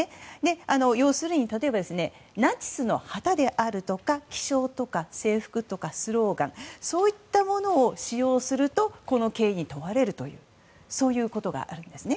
要するにナチスの旗であるとか記章とか制服とかスローガンそういったものを使用するとこの刑に問われるということがあるんです。